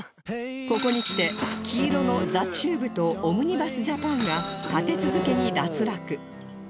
ここにきて黄色のザ・チューブとオムニバス・ジャパンが立て続けに脱落